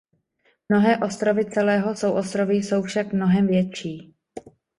Mnohé ostrovy celého souostroví jsou však mnohem větší.